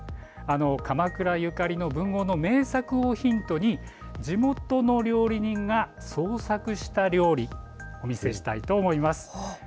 鎌倉ゆかりの文豪の名作をヒントに地元の料理人が創作した料理、お見せしたいと思います。